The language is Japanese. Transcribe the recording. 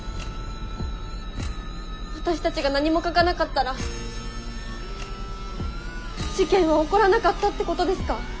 私たちが何も書かなかったら事件は起こらなかったってことですか？